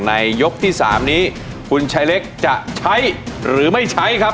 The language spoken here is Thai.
ยกที่๓นี้คุณชายเล็กจะใช้หรือไม่ใช้ครับ